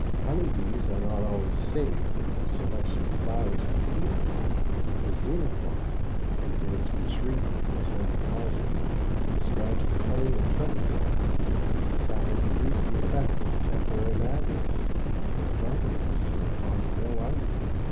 Honey bees are not always safe in their selection of flowers to feed upon, for Xenophon, in his "Retreat of the Ten Thousand," describes the honey of Trebizond as having produced the effect of temporary madness, or drunkenness, upon the whole army.